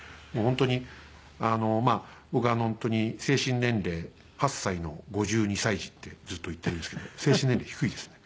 僕は本当に精神年齢８歳の５２歳児ってずっと言ってるんですけど精神年齢低いですね。